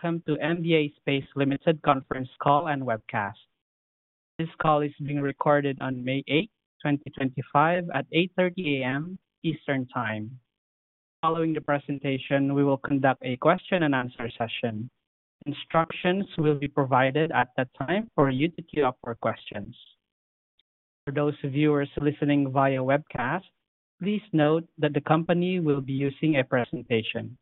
Welcome to MDA Space conference call and webcast. This call is being recorded on May 8, 2025, at 8:30 A.M. Eastern Time. Following the presentation, we will conduct a question-and-answer session. Instructions will be provided at that time for you to queue up for questions. For those viewers listening via webcast, please note that the company will be using a presentation.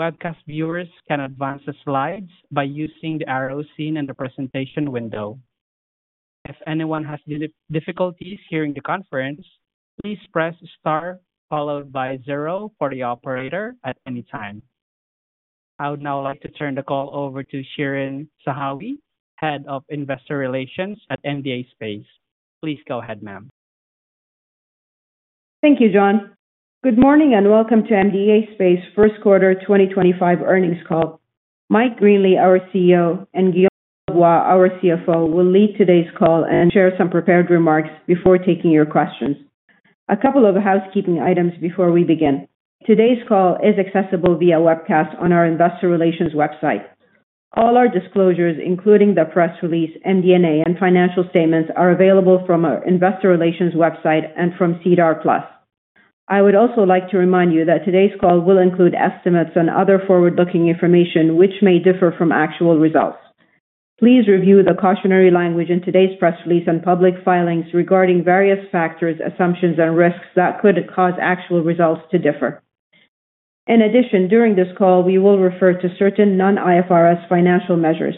Webcast viewers can advance the slides by using the arrows seen in the presentation window. If anyone has difficulties hearing the conference, please press star followed by zero for the operator at any time. I would now like to turn the call over to Shereen Zahawi, Head of Investor Relations at MDA Space. Please go ahead, ma'am. Thank you, John. Good morning and welcome to MDA Space first quarter 2025 earnings call. Mike Greenley, our CEO, and Guillaume Lavoie, our CFO, will lead today's call and share some prepared remarks before taking your questions. A couple of housekeeping items before we begin. Today's call is accessible via webcast on our investor relations website. All our disclosures, including the press release, NDAs, and financial statements, are available from our investor relations website and from SEDAR+. I would also like to remind you that today's call will include estimates and other forward-looking information, which may differ from actual results. Please review the cautionary language in today's press release and public filings regarding various factors, assumptions, and risks that could cause actual results to differ. In addition, during this call, we will refer to certain non-IFRS financial measures.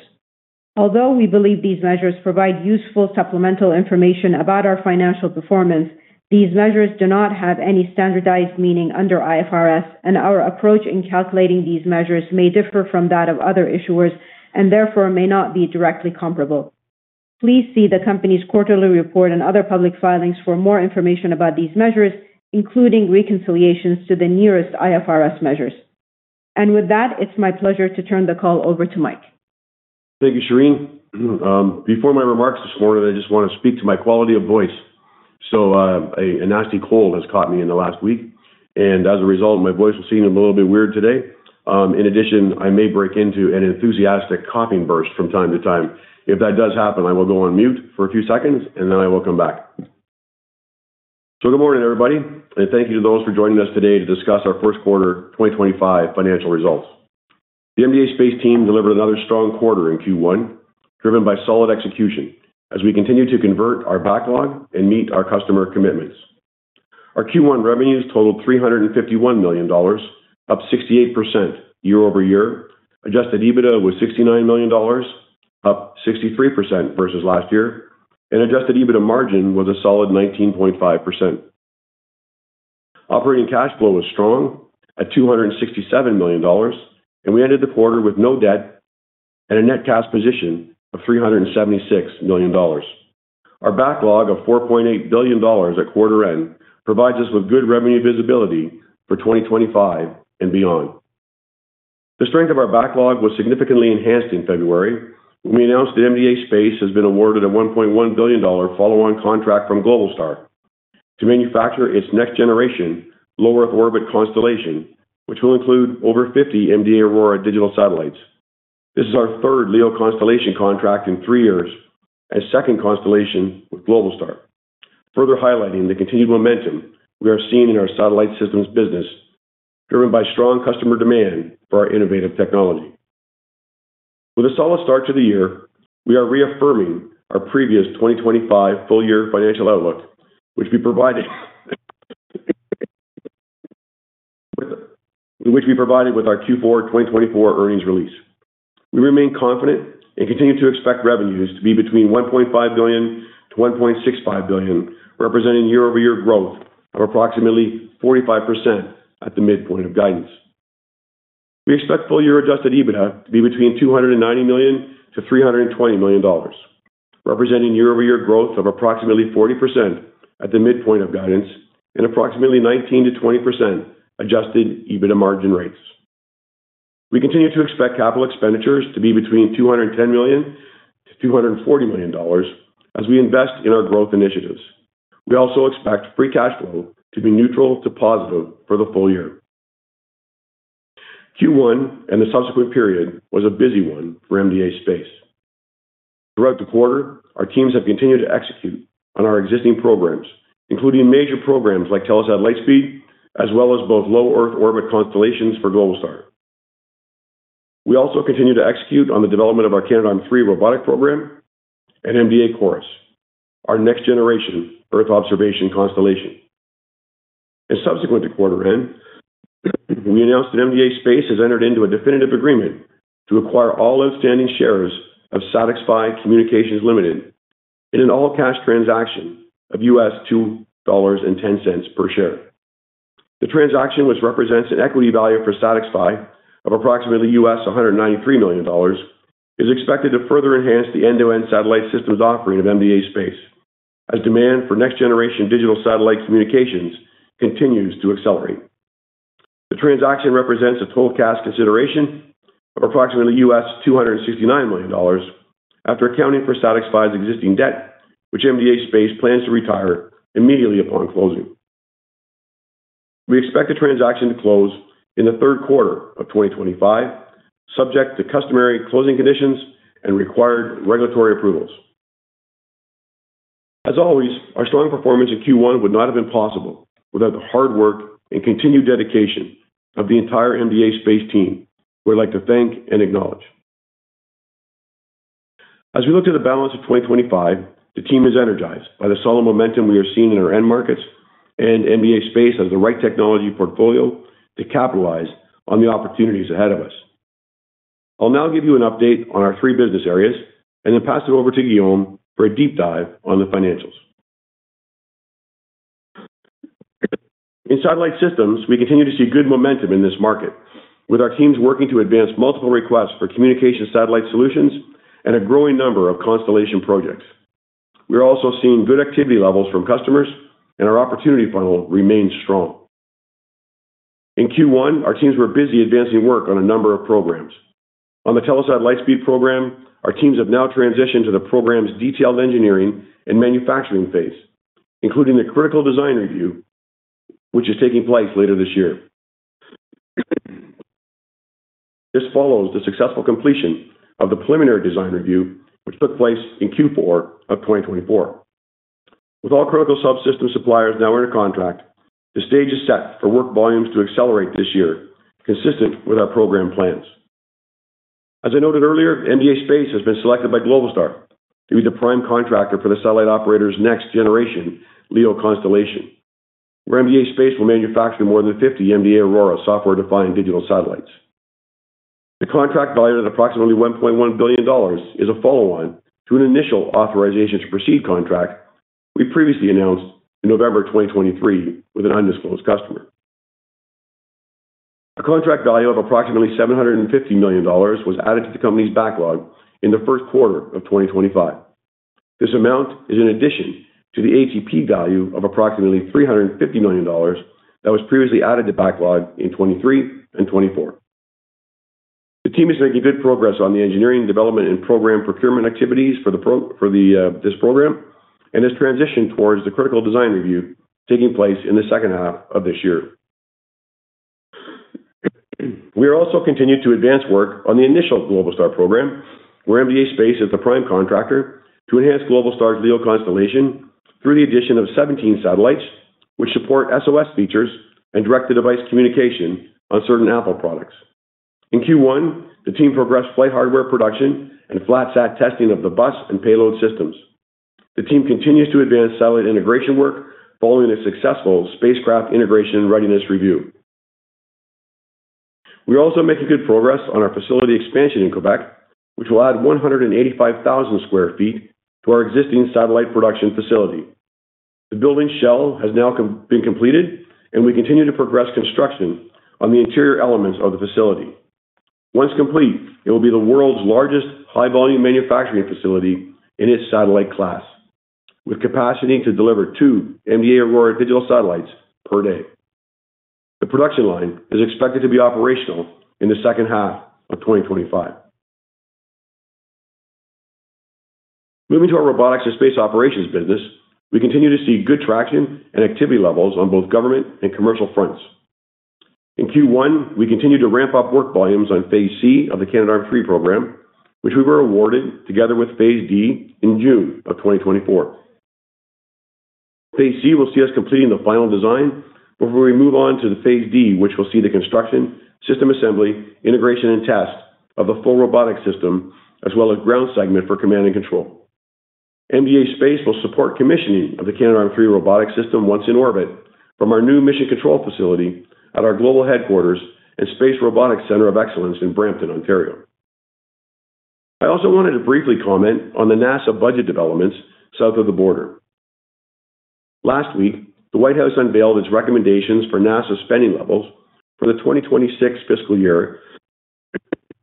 Although we believe these measures provide useful supplemental information about our financial performance, these measures do not have any standardized meaning under IFRS, and our approach in calculating these measures may differ from that of other issuers and therefore may not be directly comparable. Please see the company's quarterly report and other public filings for more information about these measures, including reconciliations to the nearest IFRS measures. It is my pleasure to turn the call over to Mike. Thank you, Shereen. Before my remarks this morning, I just want to speak to my quality of voice. A nasty cold has caught me in the last week, and as a result, my voice will seem a little bit weird today. In addition, I may break into an enthusiastic coughing burst from time to time. If that does happen, I will go on mute for a few seconds, and then I will come back. Good morning, everybody, and thank you to those for joining us today to discuss our first quarter 2025 financial results. The MDA Space team delivered another strong quarter in Q1, driven by solid execution as we continue to convert our backlog and meet our customer commitments. Our Q1 revenues totaled 351 million dollars, up 68% year-over-year. Adjusted EBITDA was 69 million dollars, up 63% versus last year, and Adjusted EBITDA margin was a solid 19.5%. Operating cash flow was strong at 267 million dollars, and we ended the quarter with no debt and a net cash position of 376 million dollars. Our backlog of 4.8 billion dollars at quarter end provides us with good revenue visibility for 2025 and beyond. The strength of our backlog was significantly enhanced in February, when we announced that MDA Space has been awarded a 1.1 billion dollar follow-on contract from Globalstar to manufacture its next-generation low Earth orbit constellation, which will include over 50 MDA AURORA digital satellites. This is our third LEO constellation contract in three years and second constellation with Globalstar, further highlighting the continued momentum we are seeing in our satellite systems business, driven by strong customer demand for our innovative technology. With a solid start to the year, we are reaffirming our previous 2025 full-year financial outlook, which we provided with our Q4 2024 earnings release. We remain confident and continue to expect revenues to be between 1.5 billion-1.65 billion, representing year-over-year growth of approximately 45% at the midpoint of guidance. We expect full-year Adjusted EBITDA to be between 290 million-320 million dollars, representing year-over-year growth of approximately 40% at the midpoint of guidance and approximately 19%-20% Adjusted EBITDA margin rates. We continue to expect capital expenditures to be between 210 million-240 million dollars as we invest in our growth initiatives. We also expect free cash flow to be neutral to positive for the full year. Q1 and the subsequent period was a busy one for MDA Space. Throughout the quarter, our teams have continued to execute on our existing programs, including major programs like Telesat Lightspeed, as well as both low Earth orbit constellations for Globalstar. We also continue to execute on the development of our Canadarm3 robotic program and MDA CHORUS, our next-generation Earth observation constellation. Subsequent to quarter end, we announced that MDA Space has entered into a definitive agreement to acquire all outstanding shares of SatixFy Communications Limited in an all-cash transaction of $2.10 per share. The transaction, which represents an equity value for SatixFy of approximately $193 million, is expected to further enhance the end-to-end satellite systems offering of MDA Space, as demand for next-generation digital satellite communications continues to accelerate. The transaction represents a total cash consideration of approximately $269 million, after accounting for SatixFy's existing debt, which MDA Space plans to retire immediately upon closing. We expect the transaction to close in the third quarter of 2025, subject to customary closing conditions and required regulatory approvals. As always, our strong performance in Q1 would not have been possible without the hard work and continued dedication of the entire MDA Space team, who I'd like to thank and acknowledge. As we look to the balance of 2025, the team is energized by the solid momentum we are seeing in our end markets and MDA Space has the right technology portfolio to capitalize on the opportunities ahead of us. I'll now give you an update on our three business areas and then pass it over to Guillaume for a deep dive on the financials. In Satellite Systems, we continue to see good momentum in this market, with our teams working to advance multiple requests for communication satellite solutions and a growing number of constellation projects. We are also seeing good activity levels from customers, and our opportunity funnel remains strong. In Q1, our teams were busy advancing work on a number of programs. On the Telesat Lightspeed program, our teams have now transitioned to the program's detailed engineering and manufacturing phase, including the critical design review, which is taking place later this year. This follows the successful completion of the preliminary design review, which took place in Q4 of 2024. With all critical subsystem suppliers now under contract, the stage is set for work volumes to accelerate this year, consistent with our program plans. As I noted earlier, MDA Space has been selected by Globalstar to be the prime contractor for the satellite operator's next-generation LEO constellation, where MDA Space will manufacture more than 50 MDA AURORA software-defined digital satellites. The contract value of approximately 1.1 billion dollars is a follow-on to an initial authorization to proceed contract we previously announced in November 2023 with an undisclosed customer. A contract value of approximately 750 million dollars was added to the company's backlog in the first quarter of 2025. This amount is in addition to the ATP value of approximately 350 million dollars that was previously added to backlog in 2023 and 2024. The team is making good progress on the engineering, development, and program procurement activities for this program and has transitioned towards the critical design review taking place in the second half of this year. We are also continuing to advance work on the initial Globalstar program, where MDA Space is the prime contractor to enhance Globalstar's LEO constellation through the addition of 17 satellites, which support SOS features and direct-to-device communication on certain Apple products. In Q1, the team progressed flight hardware production and flat-sat testing of the bus and payload systems. The team continues to advance satellite integration work following a successful spacecraft integration readiness review. We are also making good progress on our facility expansion in Quebec, which will add 185,000 sq ft to our existing satellite production facility. The building shell has now been completed, and we continue to progress construction on the interior elements of the facility. Once complete, it will be the world's largest high-volume manufacturing facility in its satellite class, with capacity to deliver two MDA AURORA digital satellites per day. The production line is expected to be operational in the second half of 2025. Moving to our robotics and space operations business, we continue to see good traction and activity levels on both government and commercial fronts. In Q1, we continue to ramp up work volumes on Phase C of the Canadarm3 program, which we were awarded together with Phase D in June of 2024. Phase C will see us completing the final design, before we move on to Phase D, which will see the construction, system assembly, integration, and test of the full robotic system, as well as ground segment for command and control. MDA Space will support commissioning of the Canadarm3 robotic system once in orbit from our new mission control facility at our global headquarters and Space Robotics Center of Excellence in Brampton, Ontario. I also wanted to briefly comment on the NASA budget developments south of the border. Last week, the White House unveiled its recommendations for NASA spending levels for the 2026 fiscal year,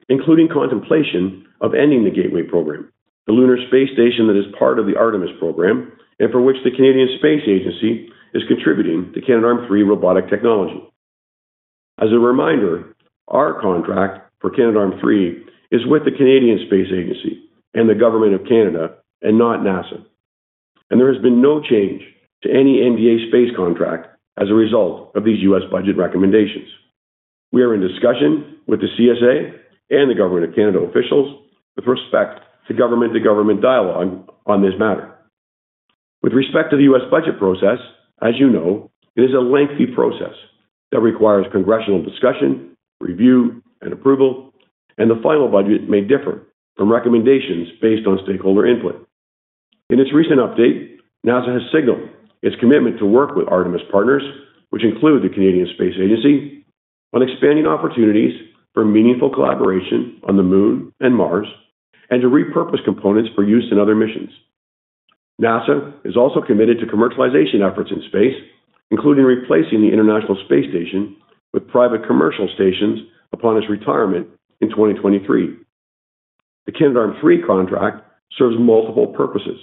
including contemplation of ending the Gateway program, the lunar space station that is part of the Artemis program and for which the Canadian Space Agency is contributing to Canadarm3 robotic technology. As a reminder, our contract for Canadarm3 is with the Canadian Space Agency and the Government of Canada and not NASA. There has been no change to any MDA Space contract as a result of these U.S. budget recommendations. We are in discussion with the CSA and the Government of Canada officials with respect to government-to-government dialogue on this matter. With respect to the U.S. budget process, as you know, it is a lengthy process that requires congressional discussion, review, and approval, and the final budget may differ from recommendations based on stakeholder input. In its recent update, NASA has signaled its commitment to work with Artemis partners, which include the Canadian Space Agency, on expanding opportunities for meaningful collaboration on the Moon and Mars and to repurpose components for use in other missions. NASA is also committed to commercialization efforts in space, including replacing the International Space Station with private commercial stations upon its retirement in 2023. The Canadarm3 contract serves multiple purposes,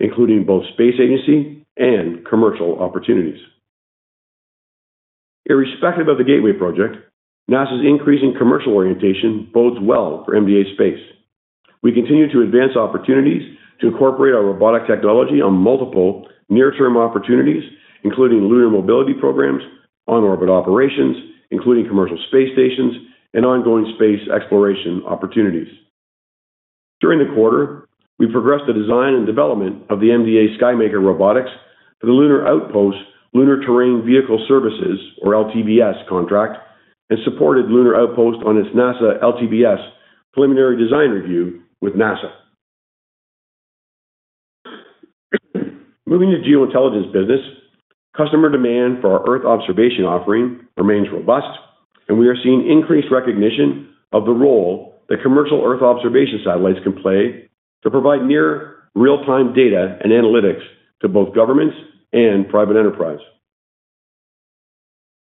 including both space agency and commercial opportunities. Irrespective of the Gateway project, NASA's increasing commercial orientation bodes well for MDA Space. We continue to advance opportunities to incorporate our robotic technology on multiple near-term opportunities, including lunar mobility programs, on-orbit operations, including commercial space stations, and ongoing space exploration opportunities. During the quarter, we progressed the design and development of the MDA SKYMAKER robotics for the Lunar Outpost Lunar Terrain Vehicle Services, or LTVS, contract and supported Lunar Outpost on its NASA LTVS preliminary design review with NASA. Moving to geointelligence business, customer demand for our Earth observation offering remains robust, and we are seeing increased recognition of the role that commercial Earth observation satellites can play to provide near real-time data and analytics to both governments and private enterprise.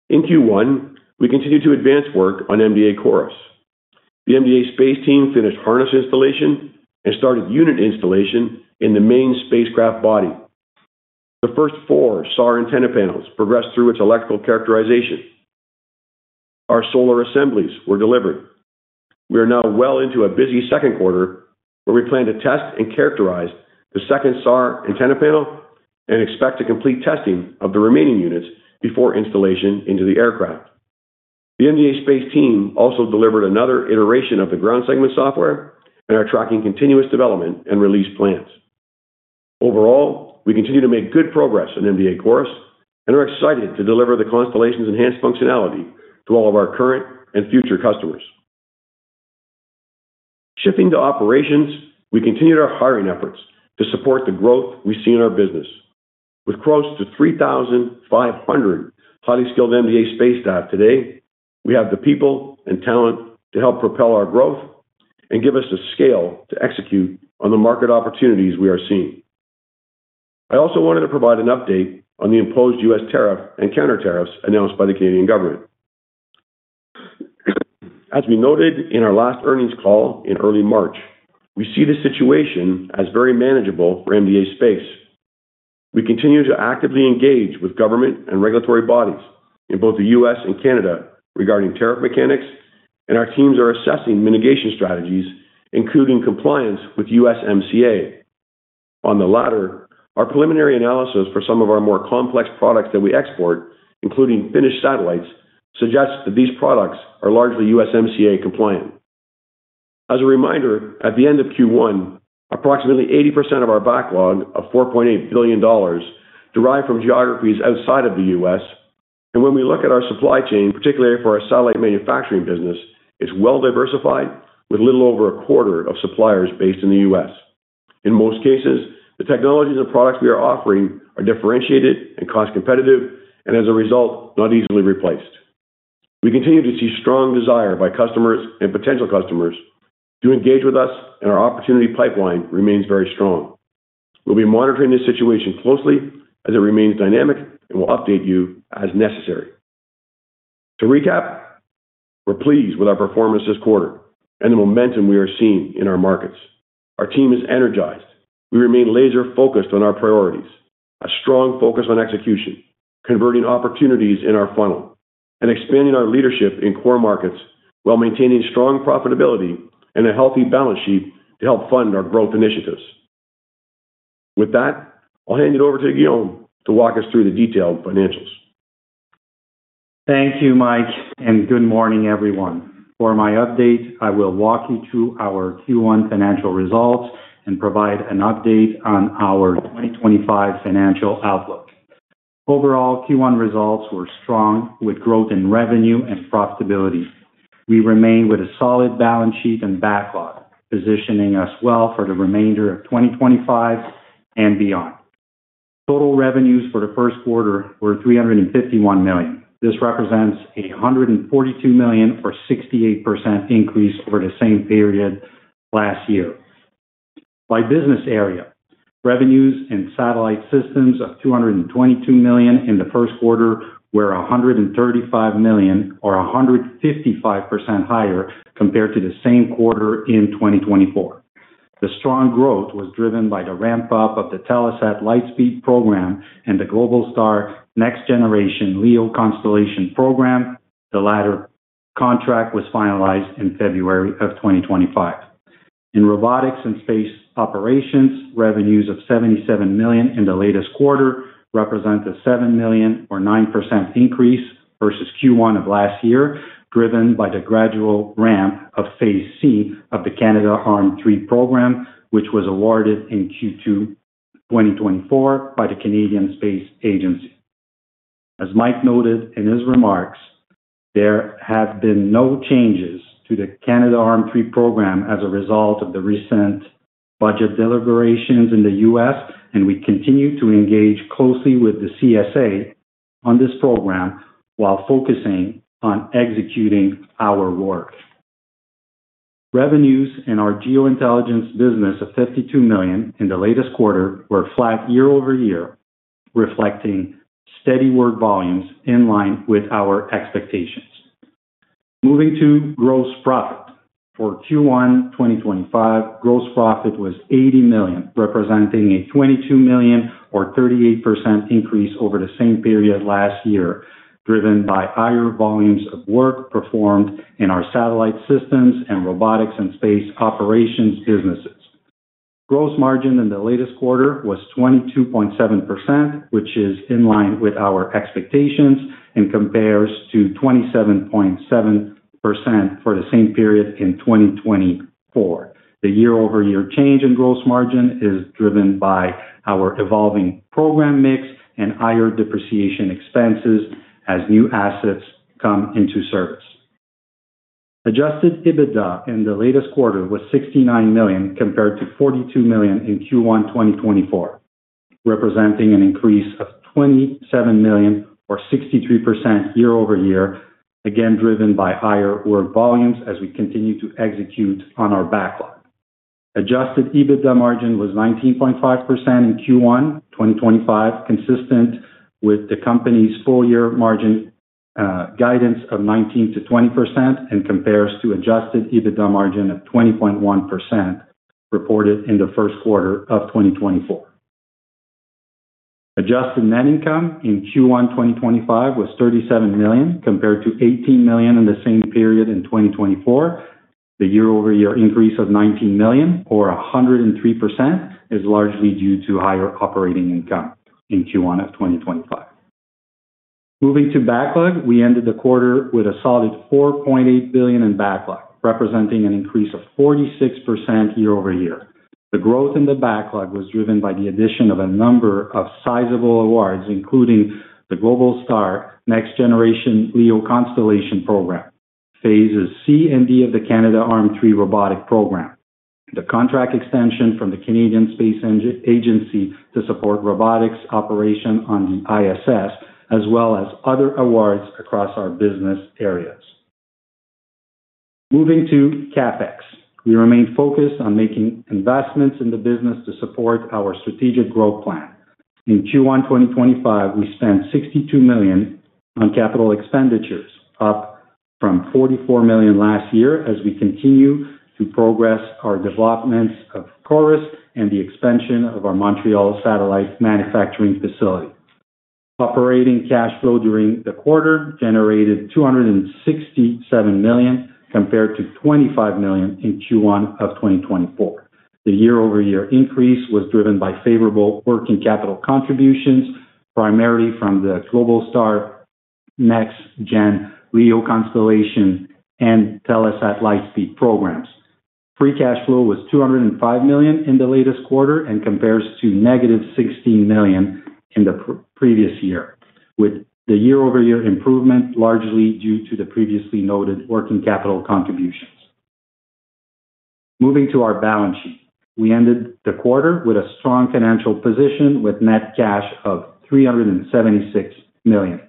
In Q1, we continue to advance work on MDA CHORUS. The MDA Space team finished harness installation and started unit installation in the main spacecraft body. The first four SAR antenna panels progressed through its electrical characterization. Our solar assemblies were delivered. We are now well into a busy second quarter, where we plan to test and characterize the second SAR antenna panel and expect to complete testing of the remaining units before installation into the aircraft. The MDA Space team also delivered another iteration of the ground segment software and are tracking continuous development and release plans. Overall, we continue to make good progress on MDA CHORUS and are excited to deliver the constellation's enhanced functionality to all of our current and future customers. Shifting to operations, we continued our hiring efforts to support the growth we see in our business. With close to 3,500 highly skilled MDA Space staff today, we have the people and talent to help propel our growth and give us the scale to execute on the market opportunities we are seeing. I also wanted to provide an update on the imposed U.S. tariff and countertariffs announced by the Canadian government. As we noted in our last earnings call in early March, we see the situation as very manageable for MDA Space. We continue to actively engage with government and regulatory bodies in both the U.S. and Canada regarding tariff mechanics, and our teams are assessing mitigation strategies, including compliance with USMCA. On the latter, our preliminary analysis for some of our more complex products that we export, including finished satellites, suggests that these products are largely USMCA compliant. As a reminder, at the end of Q1, approximately 80% of our backlog of 4.8 billion dollars derived from geographies outside of the U.S. When we look at our supply chain, particularly for our satellite manufacturing business, it is well-diversified, with a little over a quarter of suppliers based in the U.S. In most cases, the technologies and products we are offering are differentiated and cost-competitive, and as a result, not easily replaced. We continue to see strong desire by customers and potential customers to engage with us, and our opportunity pipeline remains very strong. We will be monitoring this situation closely as it remains dynamic and will update you as necessary. To recap, we are pleased with our performance this quarter and the momentum we are seeing in our markets. Our team is energized. We remain laser-focused on our priorities, a strong focus on execution, converting opportunities in our funnel, and expanding our leadership in core markets while maintaining strong profitability and a healthy balance sheet to help fund our growth initiatives. With that, I will hand it over to Guillaume to walk us through the detailed financials. Thank you, Mike, and good morning, everyone. For my update, I will walk you through our Q1 financial results and provide an update on our 2025 financial outlook. Overall, Q1 results were strong, with growth in revenue and profitability. We remain with a solid balance sheet and backlog, positioning us well for the remainder of 2025 and beyond. Total revenues for the first quarter were 351 million. This represents a 142 million, or 68% increase, over the same period last year. By business area, revenues in satellite systems of 222 million in the first quarter were 135 million, or 155% higher compared to the same quarter in 2024. The strong growth was driven by the ramp-up of the Telesat Lightspeed program and the Globalstar next-generation LEO constellation program. The latter contract was finalized in February of 2025. In robotics and space operations, revenues of 77 million in the latest quarter represent a 7 million, or 9% increase, versus Q1 of last year, driven by the gradual ramp of Phase C of the Canadarm3 program, which was awarded in Q2 2024 by the Canadian Space Agency. As Mike noted in his remarks, there have been no changes to the Canadarm3 program as a result of the recent budget deliberations in the U.S., and we continue to engage closely with the CSA on this program while focusing on executing our work. Revenues in our geointelligence business of 52 million in the latest quarter were flat year-over-year, reflecting steady work volumes in line with our expectations. Moving to gross profit. For Q1 2025, gross profit was 80 million, representing a 22 million, or 38% increase, over the same period last year, driven by higher volumes of work performed in our satellite systems and robotics and space operations businesses. Gross margin in the latest quarter was 22.7%, which is in line with our expectations and compares to 27.7% for the same period in 2024. The year-over-year change in gross margin is driven by our evolving program mix and higher depreciation expenses as new assets come into service. Adjusted EBITDA in the latest quarter was 69 million, compared to 42 million in Q1 2024, representing an increase of 27 million, or 63% year-over-year, again driven by higher work volumes as we continue to execute on our backlog. Adjusted EBITDA margin was 19.5% in Q1 2025, consistent with the company's full-year margin guidance of 19%-20%, and compares to Adjusted EBITDA margin of 20.1% reported in the first quarter of 2024. Adjusted net income in Q1 2025 was 37 million, compared to 18 million in the same period in 2024. The year-over-year increase of 19 million, or 103%, is largely due to higher operating income in Q1 of 2025. Moving to backlog, we ended the quarter with a solid 4.8 billion in backlog, representing an increase of 46% year-over-year. The growth in the backlog was driven by the addition of a number of sizable awards, including the Globalstar next-generation LEO constellation program, Phases C and D of the Canadarm3 robotic program, the contract extension from the Canadian Space Agency to support robotics operation on the ISS, as well as other awards across our business areas. Moving to CapEx, we remained focused on making investments in the business to support our strategic growth plan. In Q1 2025, we spent 62 million on capital expenditures, up from 44 million last year, as we continue to progress our developments of CHORUS and the expansion of our Montreal satellite manufacturing facility. Operating cash flow during the quarter generated 267 million, compared to 25 million in Q1 of 2024. The year-over-year increase was driven by favorable working capital contributions, primarily from the Globalstar next-generation LEO constellation and Telesat Lightspeed programs. Free cash flow was 205 million in the latest quarter and compares to -16 million in the previous year, with the year-over-year improvement largely due to the previously noted working capital contributions. Moving to our balance sheet, we ended the quarter with a strong financial position, with net cash of 376 million,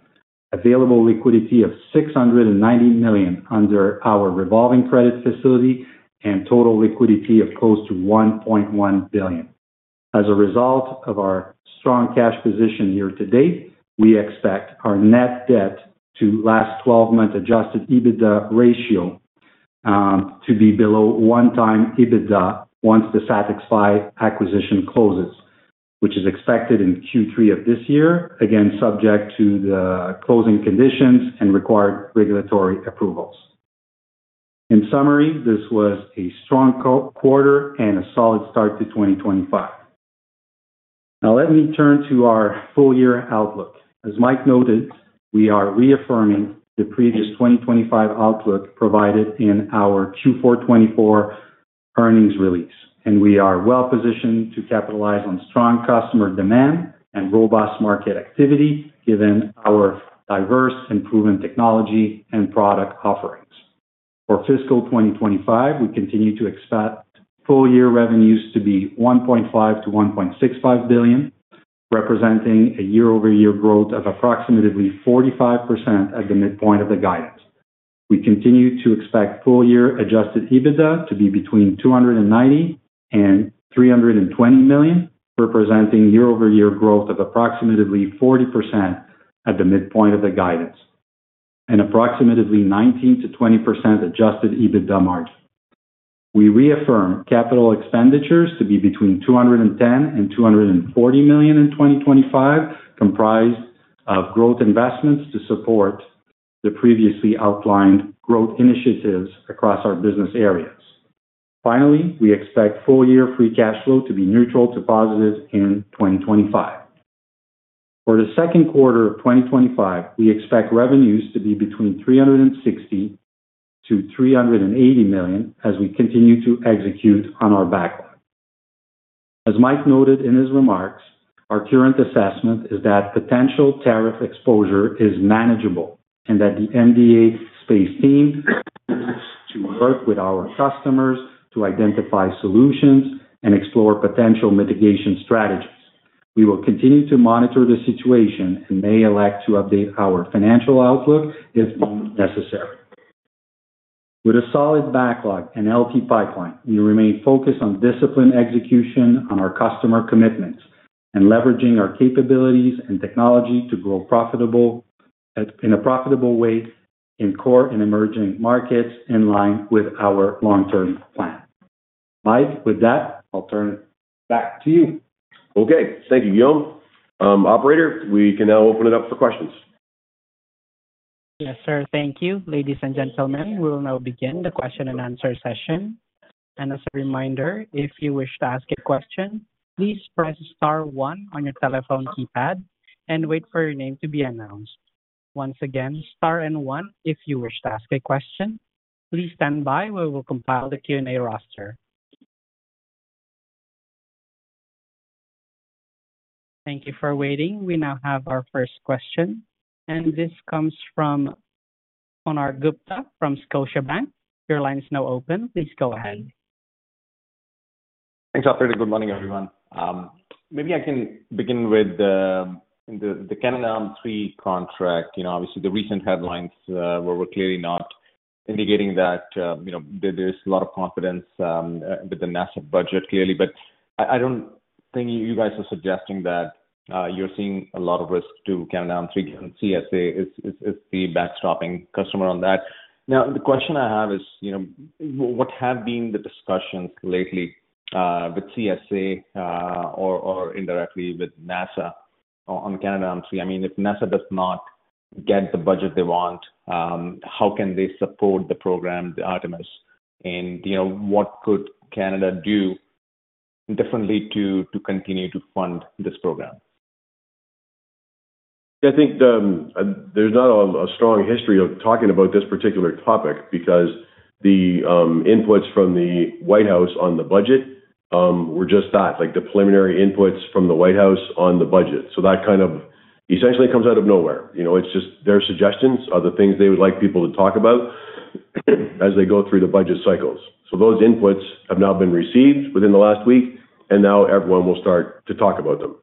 available liquidity of 690 million under our revolving credit facility, and total liquidity of close to 1.1 billion. As a result of our strong cash position year to date, we expect our net debt to last 12-month Adjusted EBITDA ratio to be below one-time EBITDA once the SatixFy acquisition closes, which is expected in Q3 of this year, again subject to the closing conditions and required regulatory approvals. In summary, this was a strong quarter and a solid start to 2025. Now, let me turn to our full-year outlook. As Mike noted, we are reaffirming the previous 2025 outlook provided in our Q4 2024 earnings release, and we are well-positioned to capitalize on strong customer demand and robust market activity, given our diverse and proven technology and product offerings. For fiscal 2025, we continue to expect full-year revenues to be 1.5 billion-1.65 billion, representing a year-over-year growth of approximately 45% at the midpoint of the guidance. We continue to expect full-year Adjusted EBITDA to be between 290 million and 320 million, representing year-over-year growth of approximately 40% at the midpoint of the guidance, and approximately 19%-20% Adjusted EBITDA margin. We reaffirm capital expenditures to be between 210 million and 240 million in 2025, comprised of growth investments to support the previously outlined growth initiatives across our business areas. Finally, we expect full-year free cash flow to be neutral to positive in 2025. For the second quarter of 2025, we expect revenues to be between 360 million-380 million as we continue to execute on our backlog. As Mike noted in his remarks, our current assessment is that potential tariff exposure is manageable and that the MDA Space team works with our customers to identify solutions and explore potential mitigation strategies. We will continue to monitor the situation and may elect to update our financial outlook if necessary. With a solid backlog and healthy pipeline, we remain focused on disciplined execution on our customer commitments and leveraging our capabilities and technology to grow profitable in a profitable way in core and emerging markets, in line with our long-term plan. Mike, with that, I'll turn it back to you. Okay, thank you, Guillaume. Operator, we can now open it up for questions. Yes, sir, thank you. Ladies and gentlemen, we will now begin the question and answer session. As a reminder, if you wish to ask a question, please press star one on your telephone keypad and wait for your name to be announced. Once again, star and one if you wish to ask a question. Please stand by while we compile the Q&A roster. Thank you for waiting. We now have our first question, and this comes from Konark Gupta from Scotiabank. Your line is now open. Please go ahead. Thanks, Operator. Good morning, everyone. Maybe I can begin with the Canadarm3 contract. You know, obviously, the recent headlines were clearly not indicating that, you know, there is a lot of confidence with the NASA budget, clearly. I do not think you guys are suggesting that you are seeing a lot of risk to Canadarm3, given CSA is the backstopping customer on that. Now, the question I have is, you know, what have been the discussions lately with CSA or indirectly with NASA on Canadarm3? I mean, if NASA does not get the budget they want, how can they support the program, the Artemis, and, you know, what could Canada do differently to continue to fund this program? I think there's not a strong history of talking about this particular topic because the inputs from the White House on the budget were just that, like the preliminary inputs from the White House on the budget. That kind of essentially comes out of nowhere. You know, it's just their suggestions are the things they would like people to talk about as they go through the budget cycles. Those inputs have now been received within the last week, and now everyone will start to talk about them.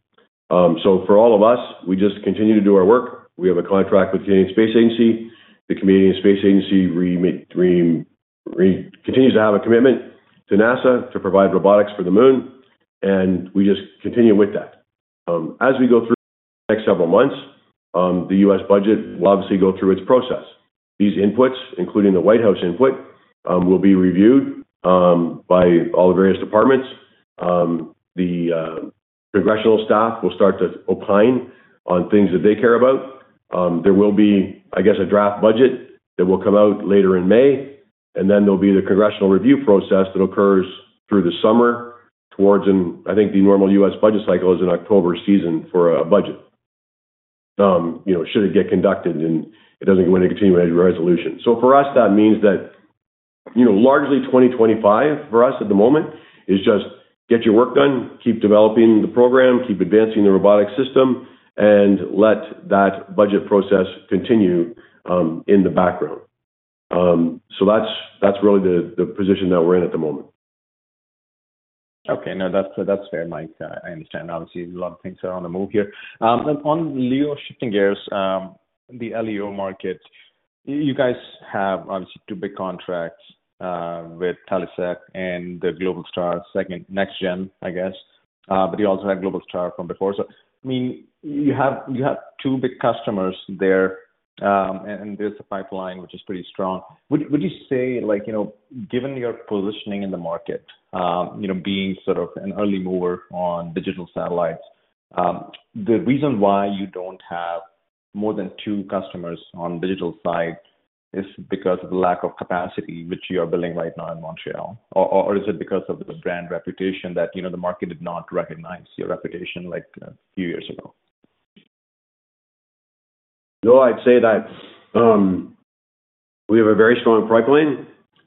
For all of us, we just continue to do our work. We have a contract with the Canadian Space Agency. The Canadian Space Agency continues to have a commitment to NASA to provide robotics for the Moon, and we just continue with that. As we go through the next several months, the U.S. budget will obviously go through its process. These inputs, including the White House input, will be reviewed by all the various departments. The congressional staff will start to opine on things that they care about. There will be, I guess, a draft budget that will come out later in May, and then there will be the congressional review process that occurs through the summer towards, and I think the normal U.S. budget cycle is an October season for a budget, you know, should it get conducted and it does not go into continuing resolution. For us, that means that, you know, largely 2025 for us at the moment is just get your work done, keep developing the program, keep advancing the robotic system, and let that budget process continue in the background. That is really the position that we are in at the moment. Okay, no, that is fair, Mike. I understand. Obviously, a lot of things are on the move here. On LEO, shifting gears, the LEO market, you guys have obviously two big contracts with Telesat and the Globalstar next-generation, I guess, but you also had Globalstar from before. I mean, you have two big customers there, and there is a pipeline which is pretty strong. Would you say, like, you know, given your positioning in the market, you know, being sort of an early mover on digital satellites, the reason why you do not have more than two customers on the digital side is because of the lack of capacity which you are building right now in Montreal, or is it because of the brand reputation that, you know, the market did not recognize your reputation like a few years ago? No, I would say that we have a very strong pipeline.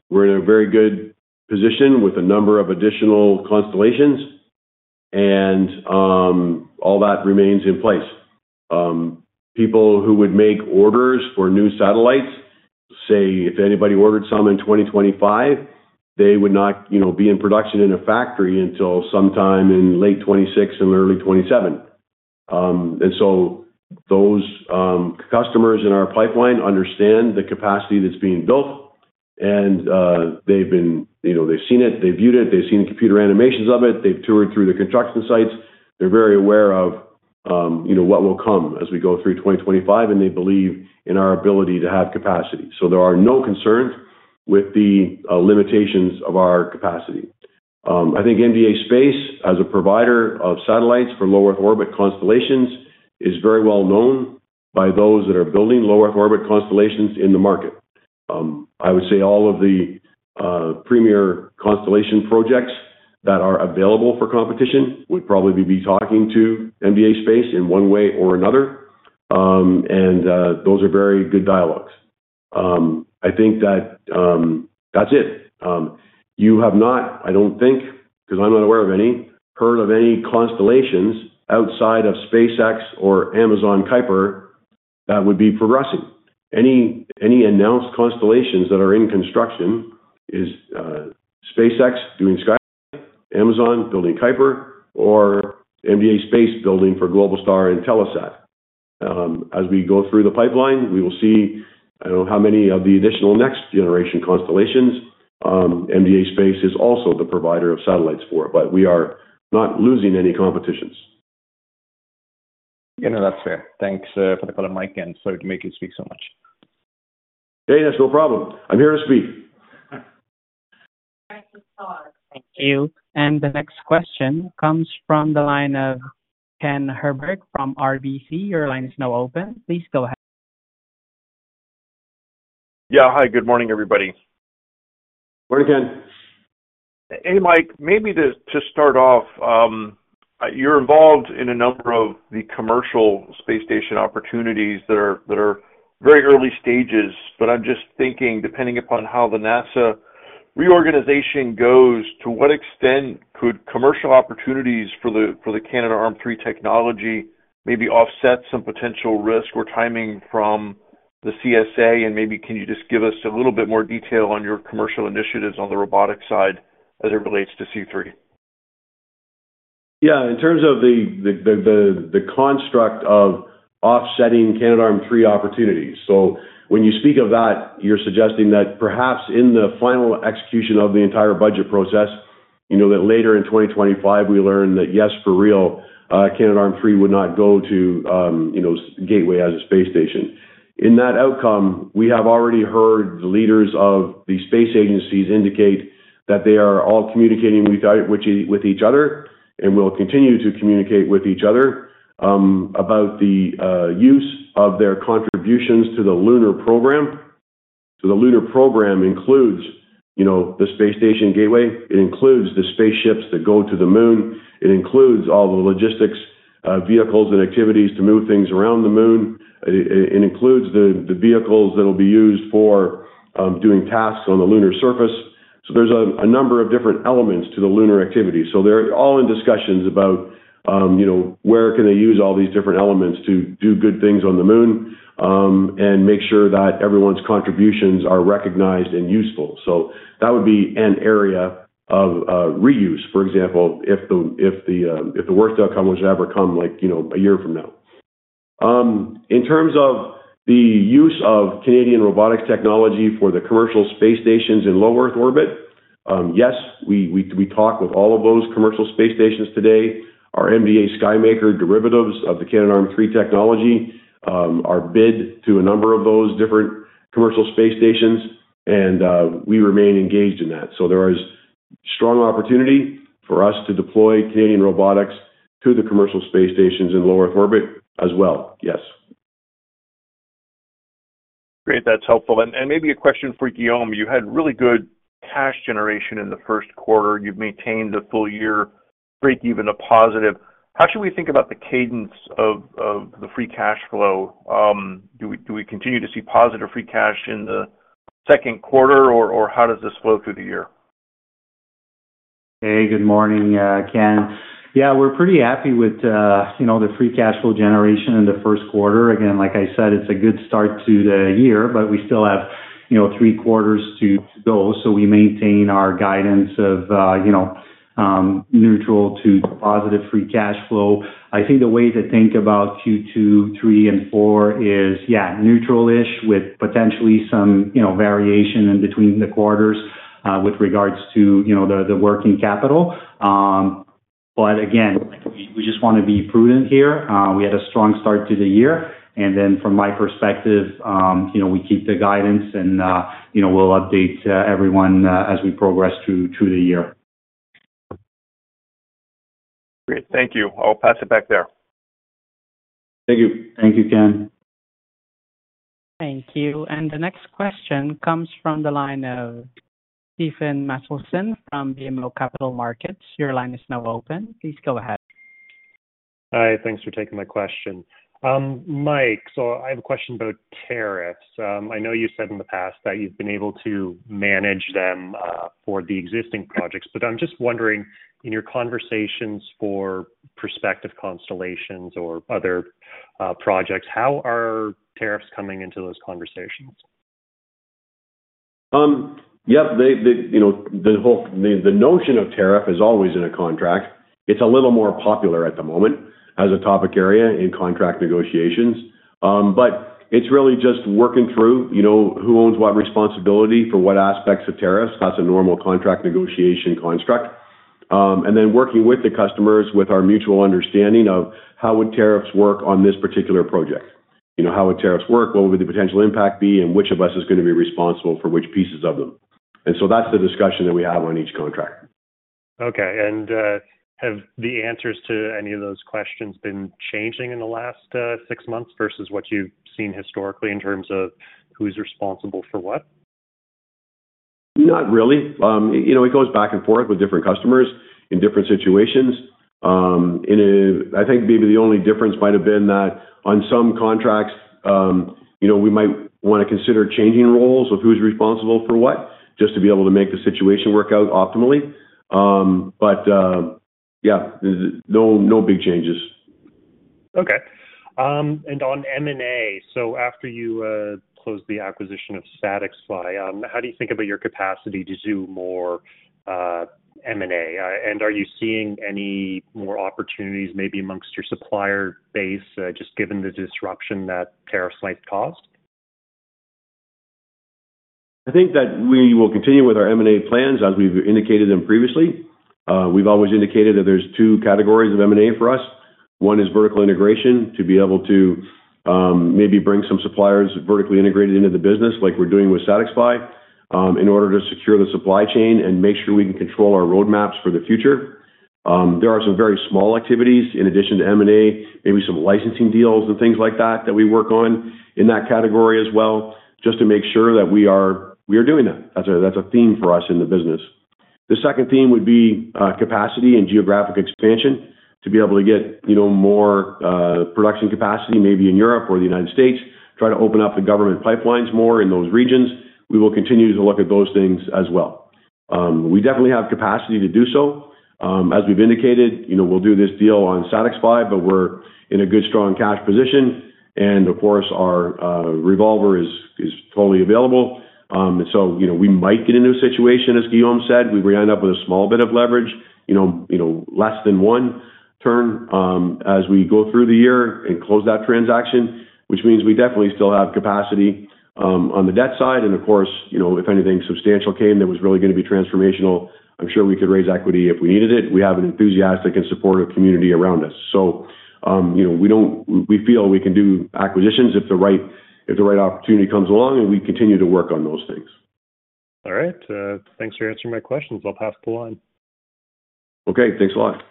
We are in a very good position with a number of additional constellations, and all that remains in place. People who would make orders for new satellites, say, if anybody ordered some in 2025, they would not, you know, be in production in a factory until sometime in late 2026 and early 2027. Those customers in our pipeline understand the capacity that is being built, and they have seen it, they have viewed it, they have seen the computer animations of it, they have toured through the construction sites, they are very aware of what will come as we go through 2025, and they believe in our ability to have capacity. There are no concerns with the limitations of our capacity. I think MDA Space, as a provider of satellites for low Earth orbit constellations, is very well known by those that are building low Earth orbit constellations in the market. I would say all of the premier constellation projects that are available for competition would probably be talking to MDA Space in one way or another, and those are very good dialogues. I think that is it. You have not, I don't think, because I'm not aware of any, heard of any constellations outside of SpaceX or Amazon Kuiper that would be progressing. Any announced constellations that are in construction is SpaceX doing Skylab, Amazon building Kuiper, or MDA Space building for Globalstar and Telesat. As we go through the pipeline, we will see, I don't know how many of the additional next generation constellations. MDA Space is also the provider of satellites for it, but we are not losing any competitions. You know, that's fair. Thanks for the call, Mike, and sorry to make you speak so much. Hey, that's no problem. I'm here to speak. Thank you. The next question comes from the line of Ken Herbert from RBC. Your line is now open. Please go ahead. Yeah, hi, good morning, everybody. Morning, Ken. Hey, Mike, maybe to start off, you're involved in a number of the commercial space station opportunities that are very early stages, but I'm just thinking, depending upon how the NASA reorganization goes, to what extent could commercial opportunities for the Canadarm3 technology maybe offset some potential risk or timing from the CSA? Maybe can you just give us a little bit more detail on your commercial initiatives on the robotic side as it relates to C3? Yeah, in terms of the construct of offsetting Canadarm3 opportunities. When you speak of that, you're suggesting that perhaps in the final execution of the entire budget process, you know, that later in 2025, we learn that yes, for real, Canadarm3 would not go to, you know, Gateway as a space station. In that outcome, we have already heard the leaders of the space agencies indicate that they are all communicating with each other and will continue to communicate with each other about the use of their contributions to the lunar program. The lunar program includes, you know, the space station Gateway. It includes the spaceships that go to the Moon. It includes all the logistics vehicles and activities to move things around the Moon. It includes the vehicles that will be used for doing tasks on the lunar surface. There is a number of different elements to the lunar activity. They are all in discussions about, you know, where can they use all these different elements to do good things on the Moon and make sure that everyone's contributions are recognized and useful. That would be an area of reuse, for example, if the worst outcome was to ever come, like, you know, a year from now. In terms of the use of Canadian robotics technology for the commercial space stations in low Earth orbit, yes, we talk with all of those commercial space stations today. Our MDA SKYMAKER derivatives of the Canadarm3 technology are bid to a number of those different commercial space stations, and we remain engaged in that. There is strong opportunity for us to deploy Canadian robotics to the commercial space stations in low Earth orbit as well, yes. Great, that's helpful. Maybe a question for Guillaume. You had really good cash generation in the first quarter. You've maintained the full year break even a positive. How should we think about the cadence of the free cash flow? Do we continue to see positive free cash in the second quarter, or how does this flow through the year? Hey, good morning, Ken. Yeah, we're pretty happy with, you know, the free cash flow generation in the first quarter. Again, like I said, it's a good start to the year, but we still have, you know, three quarters to go. We maintain our guidance of, you know, neutral to positive free cash flow. I think the way to think about Q2, Q3, and Q4 is, yeah, neutral-ish with potentially some, you know, variation in between the quarters with regards to, you know, the working capital. Again, we just want to be prudent here. We had a strong start to the year. From my perspective, you know, we keep the guidance and, you know, we'll update everyone as we progress through the year. Great, thank you. I'll pass it back there. Thank you. Thank you, Ken. Thank you. The next question comes from the line of Stephen Machielsen from BMO Capital Markets. Your line is now open. Please go ahead. Hi, thanks for taking my question. Mike, I have a question about tariffs. I know you said in the past that you've been able to manage them for the existing projects, but I'm just wondering, in your conversations for prospective constellations or other projects, how are tariffs coming into those conversations? Yep, you know, the notion of tariff is always in a contract. It's a little more popular at the moment as a topic area in contract negotiations. It's really just working through, you know, who owns what responsibility for what aspects of tariffs as a normal contract negotiation construct. Working with the customers with our mutual understanding of how would tariffs work on this particular project. You know, how would tariffs work? What would the potential impact be? Which of us is going to be responsible for which pieces of them? That is the discussion that we have on each contract. Okay, have the answers to any of those questions been changing in the last six months versus what you have seen historically in terms of who is responsible for what? Not really. You know, it goes back and forth with different customers in different situations. I think maybe the only difference might have been that on some contracts, you know, we might want to consider changing roles of who is responsible for what just to be able to make the situation work out optimally. Yeah, no big changes. Okay, and on M&A, after you closed the acquisition of SatixFy, how do you think about your capacity to do more M&A? Are you seeing any more opportunities maybe amongst your supplier base just given the disruption that tariffs might cause? I think that we will continue with our M&A plans as we've indicated them previously. We've always indicated that there are two categories of M&A for us. One is vertical integration to be able to maybe bring some suppliers vertically integrated into the business like we're doing with SatixFy in order to secure the supply chain and make sure we can control our roadmaps for the future. There are some very small activities in addition to M&A, maybe some licensing deals and things like that that we work on in that category as well just to make sure that we are doing that. That's a theme for us in the business. The second theme would be capacity and geographic expansion to be able to get, you know, more production capacity maybe in Europe or the United States, try to open up the government pipelines more in those regions. We will continue to look at those things as well. We definitely have capacity to do so. As we've indicated, you know, we'll do this deal on SatixFy, but we're in a good strong cash position. Of course, our revolver is totally available. You know, we might get into a situation, as Guillaume said, we would end up with a small bit of leverage, you know, less than one turn as we go through the year and close that transaction, which means we definitely still have capacity on the debt side. Of course, you know, if anything substantial came, that was really going to be transformational, I'm sure we could raise equity if we needed it. We have an enthusiastic and supportive community around us. You know, we don't, we feel we can do acquisitions if the right opportunity comes along and we continue to work on those things. All right, thanks for answering my questions. I'll pass the line. Okay, thanks a lot.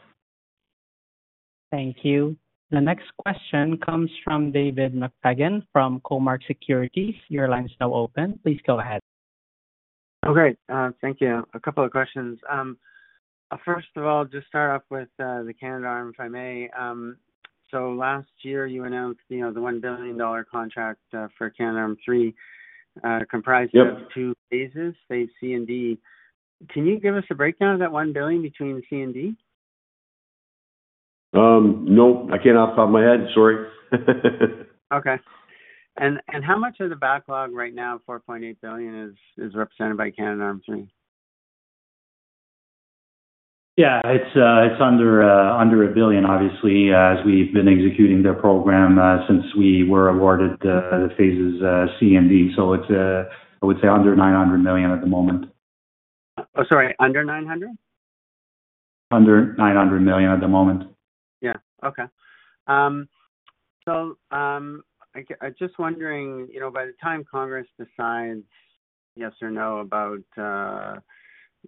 Thank you. The next question comes from David McFadgen from Cormark Securities. Your line is now open. Please go ahead. Okay, thank you. A couple of questions. First of all, just start off with the Canadarm, if I may. Last year, you announced, you know, the 1 billion dollar contract for Canadarm3 comprised of two phases, Phase C and D. Can you give us a breakdown of that 1 billion between C and D? No, I can't off the top of my head. Sorry. Okay, and how much of the backlog right now, 4.8 billion, is represented by Canadarm3? Yeah, it's under a billion, obviously, as we've been executing the program since we were awarded the Phases C and D. So it's, I would say, under 900 million at the moment. Oh, sorry, under 900 million? Under 900 million at the moment. Yeah, okay. I'm just wondering, you know, by the time Congress decides yes or no about the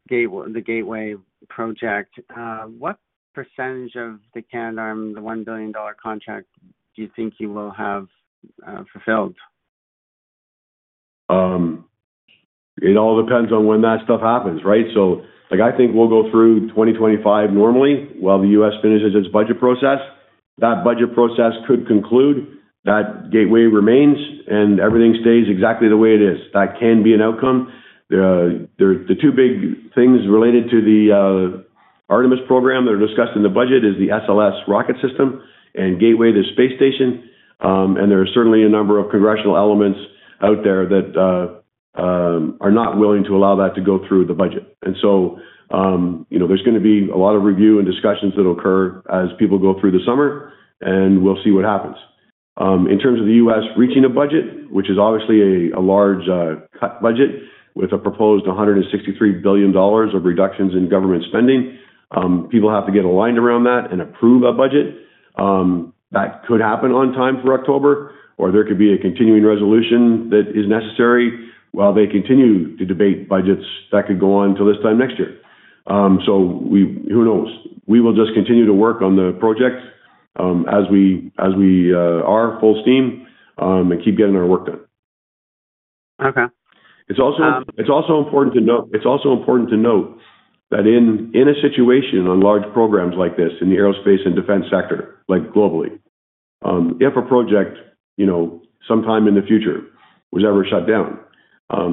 Gateway project, what percentage of the Canadarm, the 1 billion dollar contract, do you think you will have fulfilled? It all depends on when that stuff happens, right? I think we'll go through 2025 normally while the U.S. finishes its budget process. That budget process could conclude, that Gateway remains and everything stays exactly the way it is. That can be an outcome. The two big things related to the Artemis program that are discussed in the budget are the SLS rocket system and Gateway, the space station. There are certainly a number of congressional elements out there that are not willing to allow that to go through the budget. You know, there's going to be a lot of review and discussions that will occur as people go through the summer, and we'll see what happens. In terms of the U.S. reaching a budget, which is obviously a large cut budget with a proposed 163 billion dollars of reductions in government spending, people have to get aligned around that and approve a budget. That could happen on time for October, or there could be a continuing resolution that is necessary while they continue to debate budgets that could go on till this time next year. Who knows? We will just continue to work on the project as we are full steam and keep getting our work done. Okay. It's also important to note, it's also important to note that in a situation on large programs like this in the aerospace and defense sector, like globally, if a project, you know, sometime in the future was ever shut down,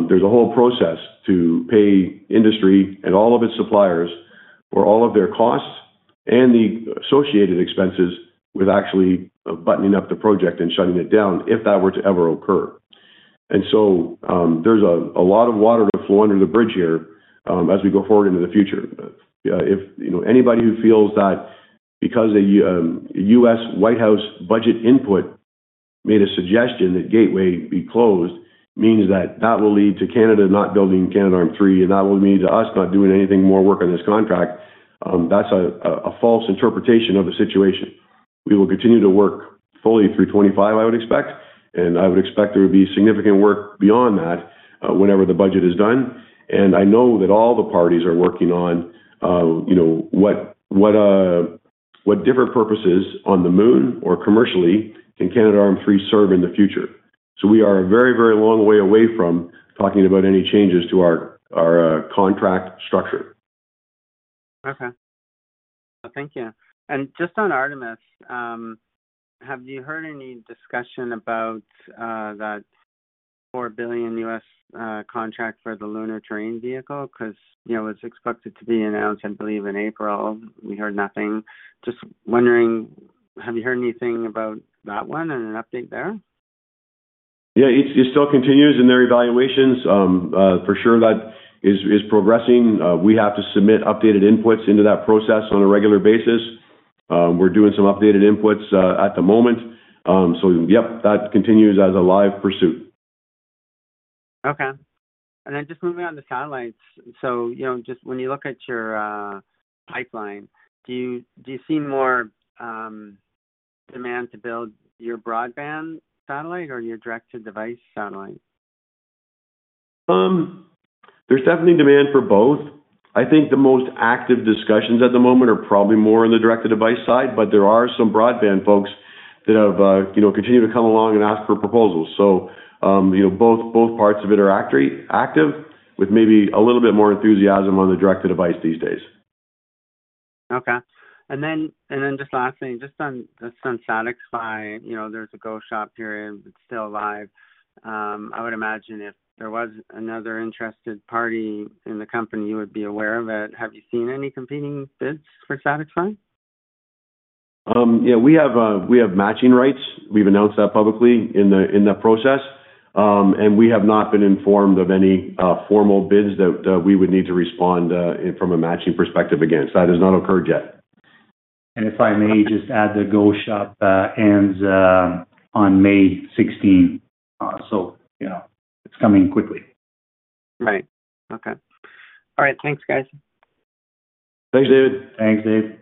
there's a whole process to pay industry and all of its suppliers for all of their costs and the associated expenses with actually buttoning up the project and shutting it down if that were to ever occur. There is a lot of water to flow under the bridge here as we go forward into the future. If, you know, anybody who feels that because a U.S. White House budget input made a suggestion that Gateway be closed means that that will lead to Canada not building Canadarm3 and that will lead to us not doing any more work on this contract, that's a false interpretation of the situation. We will continue to work fully through 2025, I would expect. I would expect there would be significant work beyond that whenever the budget is done. I know that all the parties are working on, you know, what different purposes on the Moon or commercially can Canadarm3 serve in the future. We are a very, very long way away from talking about any changes to our contract structure. Okay, thank you. Just on Artemis, have you heard any discussion about that $4 billion contract for the lunar terrain vehicle? Because, you know, it was expected to be announced, I believe, in April. We heard nothing. Just wondering, have you heard anything about that one and an update there? Yeah, it still continues in their evaluations. For sure, that is progressing. We have to submit updated inputs into that process on a regular basis. We're doing some updated inputs at the moment. Yep, that continues as a live pursuit. Okay, and then just moving on to satellites. You know, just when you look at your pipeline, do you see more demand to build your broadband satellite or your direct-to-device satellite? There's definitely demand for both. I think the most active discussions at the moment are probably more on the direct-to-device side, but there are some broadband folks that have, you know, continued to come along and ask for proposals. You know, both parts of it are active, with maybe a little bit more enthusiasm on the direct-to-device these days. Okay, and then just last thing, just on SatixFy, you know, there's a Go Shop here and it's still live. I would imagine if there was another interested party in the company, you would be aware of it. Have you seen any competing bids for SatixFy? Yeah, we have matching rights. We've announced that publicly in the process. And we have not been informed of any formal bids that we would need to respond from a matching perspective against. That has not occurred yet. If I may just add that Go Shop ends on May 16. You know, it's coming quickly. Right, okay. All right, thanks, guys. Thanks, David. Thanks, Dave.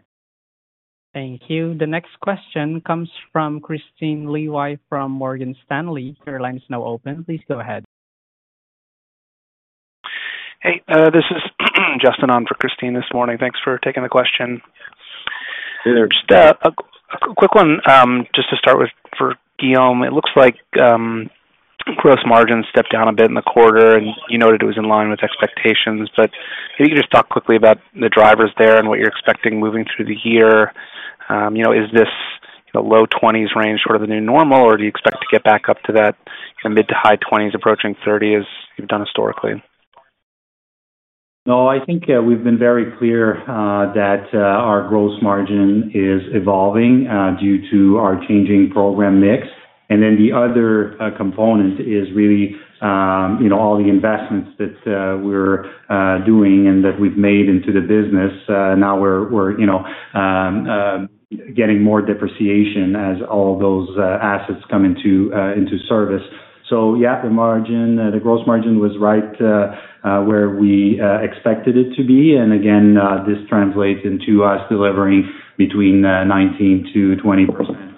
Thank you. The next question comes from Kristine Liwag from Morgan Stanley. Your line is now open. Please go ahead. Hey, this is Justin on for Kristine this morning. Thanks for taking the question. Hey, there. Just a quick one just to start with for Guillaume. It looks like gross margins stepped down a bit in the quarter, and you noted it was in line with expectations. If you could just talk quickly about the drivers there and what you're expecting moving through the year. You know, is this low 20% range sort of the new normal, or do you expect to get back up to that mid to high 20% approaching 30% as you've done historically? No, I think we've been very clear that our gross margin is evolving due to our changing program mix. The other component is really, you know, all the investments that we're doing and that we've made into the business. Now we're, you know, getting more depreciation as all those assets come into service. Yeah, the margin, the gross margin was right where we expected it to be. Again, this translates into us delivering between 19%-20%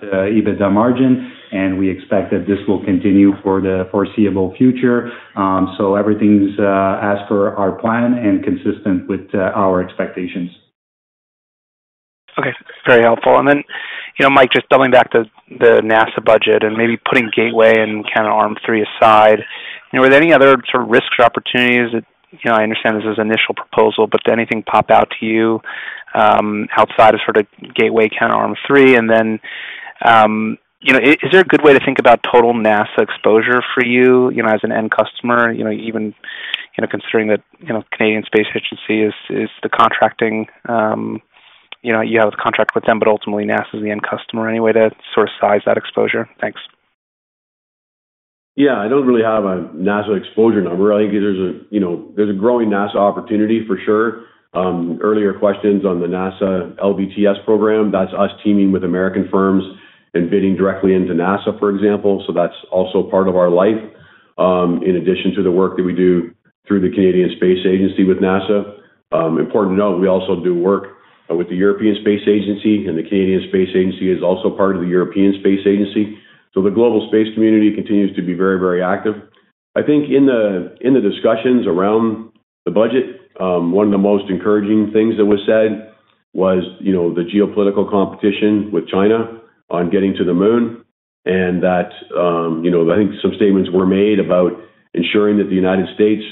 EBITDA margin. We expect that this will continue for the foreseeable future. Everything's as per our plan and consistent with our expectations. Okay, very helpful. Then, you know, Mike, just doubling back to the NASA budget and maybe putting Gateway and Canadarm3 aside, were there any other sort of risks or opportunities that, you know, I understand this is an initial proposal, but did anything pop out to you outside of sort of Gateway, Canadarm3? Is there a good way to think about total NASA exposure for you, you know, as an end customer? You know, even considering that, you know, Canadian Space Agency is the contracting, you know, you have a contract with them, but ultimately NASA is the end customer anyway to sort of size that exposure. Thanks. Yeah, I do not really have a NASA exposure number. I think there is a, you know, there is a growing NASA opportunity for sure. Earlier questions on the NASA LVTS program, that is us teaming with American firms and bidding directly into NASA, for example. That is also part of our life in addition to the work that we do through the Canadian Space Agency with NASA. Important to note, we also do work with the European Space Agency, and the Canadian Space Agency is also part of the European Space Agency. The global space community continues to be very, very active. I think in the discussions around the budget, one of the most encouraging things that was said was, you know, the geopolitical competition with China on getting to the Moon. And that, you know, I think some statements were made about ensuring that the United States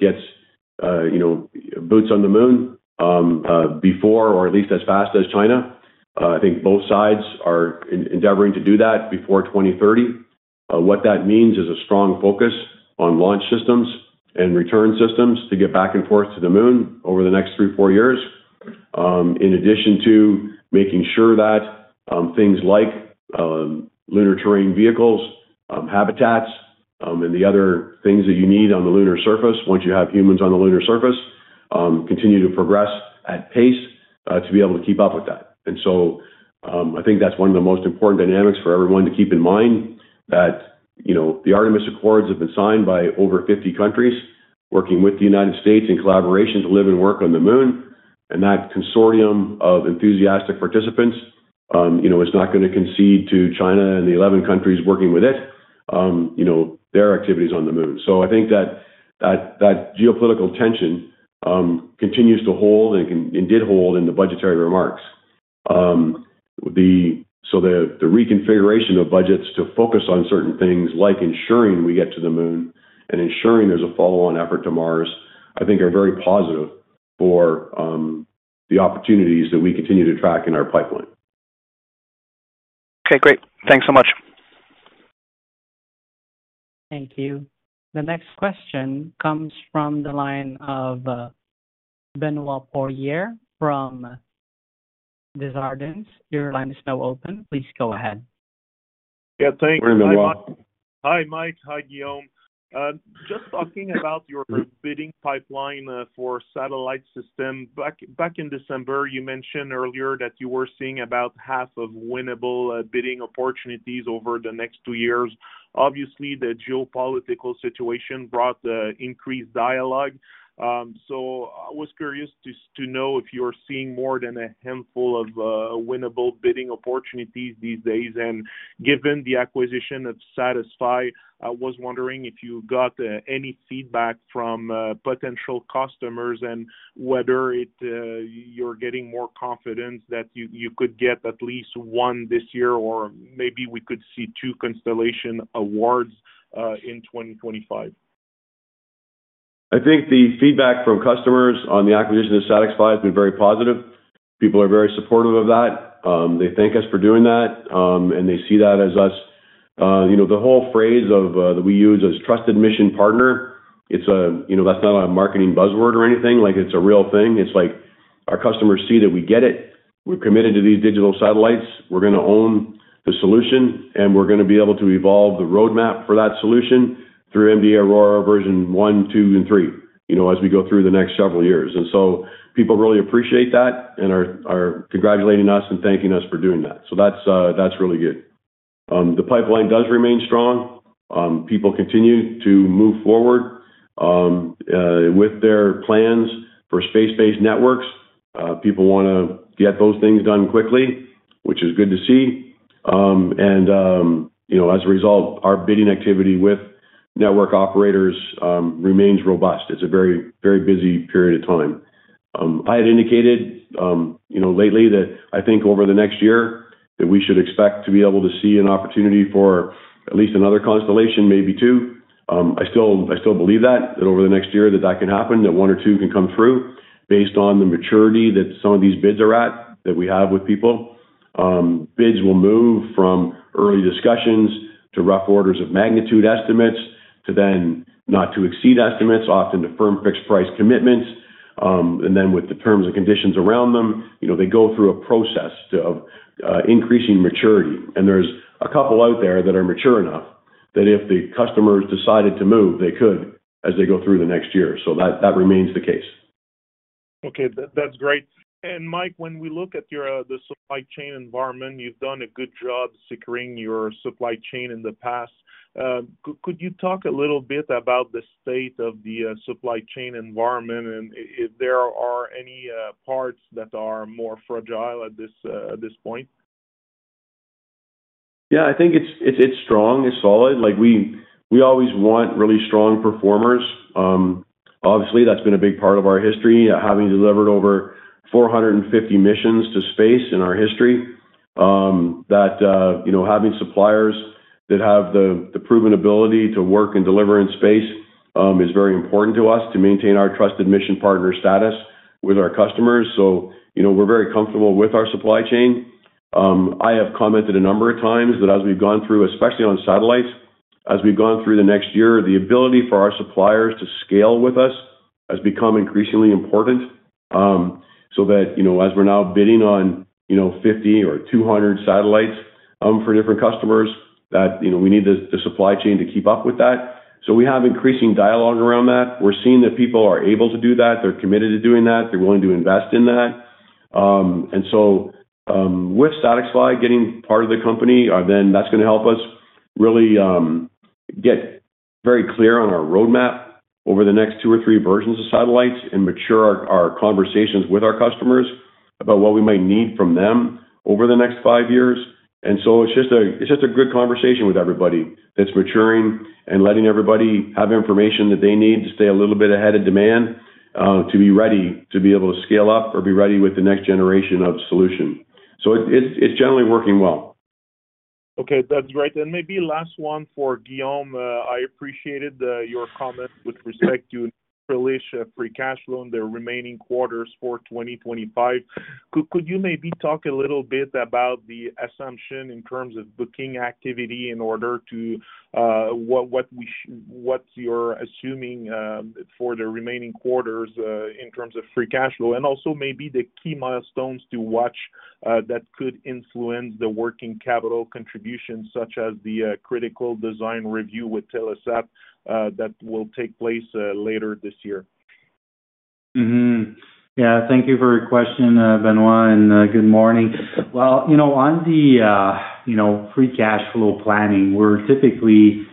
gets, you know, boots on the Moon before, or at least as fast as China. I think both sides are endeavoring to do that before 2030. What that means is a strong focus on launch systems and return systems to get back and forth to the Moon over the next three, four years. In addition to making sure that things like lunar terrain vehicles, habitats, and the other things that you need on the lunar surface once you have humans on the lunar surface continue to progress at pace to be able to keep up with that. I think that's one of the most important dynamics for everyone to keep in mind that, you know, the Artemis Accords have been signed by over 50 countries working with the United States in collaboration to live and work on the Moon. That consortium of enthusiastic participants, you know, is not going to concede to China and the 11 countries working with it, you know, their activities on the Moon. I think that geopolitical tension continues to hold and did hold in the budgetary remarks. The reconfiguration of budgets to focus on certain things like ensuring we get to the Moon and ensuring there's a follow-on effort to Mars, I think, are very positive for the opportunities that we continue to track in our pipeline. Okay, great. Thanks so much. Thank you. The next question comes from the line of Benoit Poirier from Desjardins. Your line is now open. Please go ahead. Yeah, thanks. Hi, Benoit. Hi, Mike. Hi, Guillaume. Just talking about your bidding pipeline for satellite systems. Back in December, you mentioned earlier that you were seeing about half of winnable bidding opportunities over the next two years. Obviously, the geopolitical situation brought increased dialogue. I was curious to know if you're seeing more than a handful of winnable bidding opportunities these days. Given the acquisition of SatixFy, I was wondering if you got any feedback from potential customers and whether you're getting more confidence that you could get at least one this year or maybe we could see two constellation awards in 2025. I think the feedback from customers on the acquisition of SatixFy has been very positive. People are very supportive of that. They thank us for doing that. They see that as us, you know, the whole phrase that we use is trusted mission partner. It's a, you know, that's not a marketing buzzword or anything. Like it's a real thing. It's like our customers see that we get it. We're committed to these digital satellites. We're going to own the solution. We're going to be able to evolve the roadmap for that solution through MDA AURORA version one, two, and three, you know, as we go through the next several years. People really appreciate that and are congratulating us and thanking us for doing that. That is really good. The pipeline does remain strong. People continue to move forward with their plans for space-based networks. People want to get those things done quickly, which is good to see. As a result, our bidding activity with network operators remains robust. It's a very, very busy period of time. I had indicated, you know, lately that I think over the next year that we should expect to be able to see an opportunity for at least another constellation, maybe two. I still believe that, that over the next year that that can happen, that one or two can come through based on the maturity that some of these bids are at that we have with people. Bids will move from early discussions to rough orders of magnitude estimates to then not to exceed estimates, often to firm fixed price commitments. With the terms and conditions around them, you know, they go through a process of increasing maturity. There's a couple out there that are mature enough that if the customers decided to move, they could as they go through the next year. That remains the case. Okay, that's great. Mike, when we look at the supply chain environment, you've done a good job securing your supply chain in the past. Could you talk a little bit about the state of the supply chain environment and if there are any parts that are more fragile at this point? Yeah, I think it's strong, it's solid. Like, we always want really strong performers. Obviously, that's been a big part of our history, having delivered over 450 missions to space in our history. You know, having suppliers that have the proven ability to work and deliver in space is very important to us to maintain our trusted mission partner status with our customers. You know, we're very comfortable with our supply chain. I have commented a number of times that as we've gone through, especially on satellites, as we've gone through the next year, the ability for our suppliers to scale with us has become increasingly important. You know, as we're now bidding on, you know, 50 or 200 satellites for different customers, you know, we need the supply chain to keep up with that. We have increasing dialogue around that. We're seeing that people are able to do that. They're committed to doing that. They're willing to invest in that. With SatixFy getting part of the company, then that's going to help us really get very clear on our roadmap over the next two or three versions of satellites and mature our conversations with our customers about what we might need from them over the next five years. It's just a good conversation with everybody that's maturing and letting everybody have information that they need to stay a little bit ahead of demand to be ready to be able to scale up or be ready with the next generation of solution. It's generally working well. Okay, that's great. Maybe last one for Guillaume. I appreciated your comment with respect to free cash flow in the remaining quarters for 2025. Could you maybe talk a little bit about the assumption in terms of booking activity in order to what you're assuming for the remaining quarters in terms of free cash flow? Also maybe the key milestones to watch that could influence the working capital contribution, such as the critical design review with Telesat that will take place later this year. Yeah, thank you for your question, Benoit, and good morning. You know, on the free cash flow planning, we're typically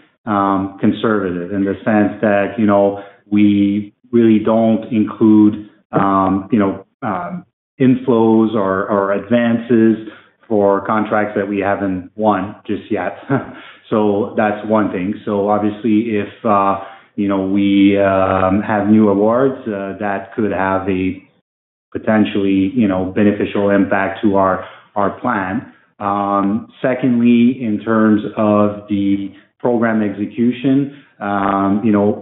conservative in the sense that, you know, we really don't include inflows or advances for contracts that we haven't won just yet. That's one thing. Obviously, if we have new awards, that could have a potentially beneficial impact to our plan. Secondly, in terms of the program execution,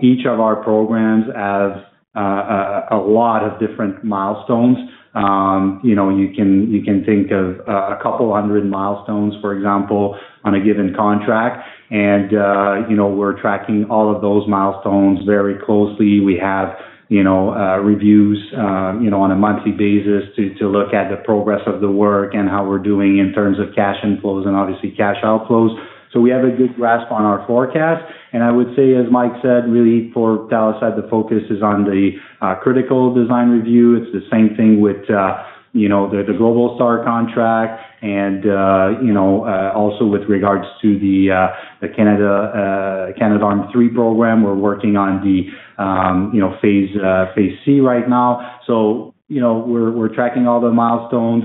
each of our programs has a lot of different milestones. You can think of a couple hundred milestones, for example, on a given contract. You know, we're tracking all of those milestones very closely. We have reviews on a monthly basis to look at the progress of the work and how we're doing in terms of cash inflows and obviously cash outflows. We have a good grasp on our forecast. I would say, as Mike said, really for Telesat, the focus is on the critical design review. It is the same thing with, you know, the Globalstar contract. You know, also with regards to the Canadarm3 program, we are working on the, you know, Phase C right now. You know, we are tracking all the milestones.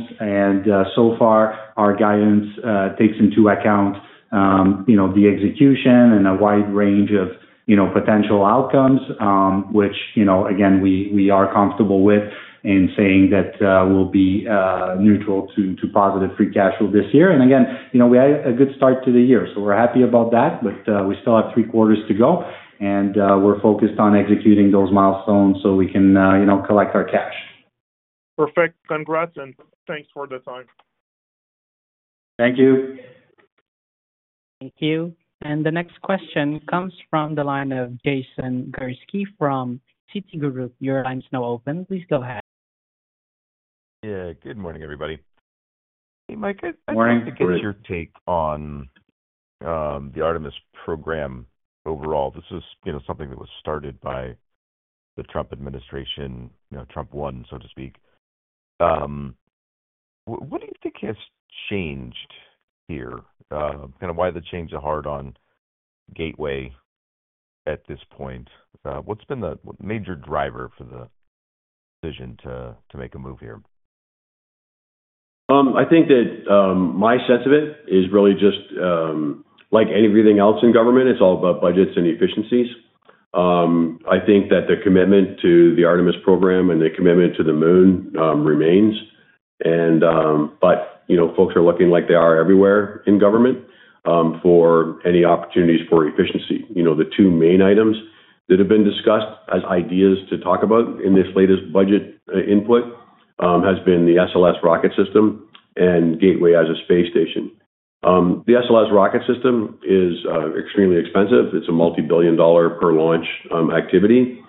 So far, our guidance takes into account, you know, the execution and a wide range of, you know, potential outcomes, which, you know, again, we are comfortable with in saying that we will be neutral to positive free cash flow this year. Again, you know, we had a good start to the year. We are happy about that, but we still have three quarters to go. We are focused on executing those milestones so we can, you know, collect our cash. Perfect. Congrats and thanks for the time. Thank you. Thank you. The next question comes from the line of Jason Gursky from Citi. Your line is now open. Please go ahead. Yeah, good morning, everybody. Hey, Mike. Good morning. What is your take on the Artemis program overall? This is, you know, something that was started by the Trump administration, you know, Trump won, so to speak. What do you think has changed here? Kind of why the change of heart on Gateway at this point? What's been the major driver for the decision to make a move here? I think that my sense of it is really just like everything else in government, it's all about budgets and efficiencies. I think that the commitment to the Artemis program and the commitment to the Moon remains. You know, folks are looking like they are everywhere in government for any opportunities for efficiency. You know, the two main items that have been discussed as ideas to talk about in this latest budget input has been the SLS rocket system and Gateway as a space station. The SLS rocket system is extremely expensive. It is a multi-billion dollar per launch activity.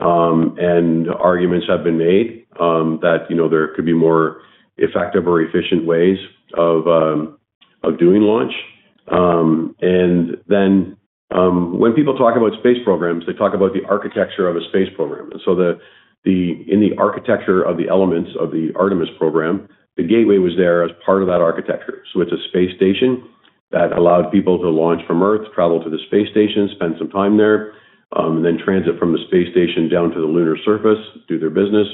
Arguments have been made that, you know, there could be more effective or efficient ways of doing launch. When people talk about space programs, they talk about the architecture of a space program. In the architecture of the elements of the Artemis program, the Gateway was there as part of that architecture. It's a space station that allowed people to launch from Earth, travel to the space station, spend some time there, and then transit from the space station down to the lunar surface, do their business,